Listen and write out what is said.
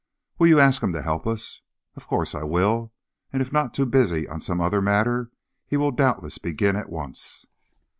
"Will you ask him to help us?" "Of course I will, and if not too busy on some other matter he will doubtless begin at once."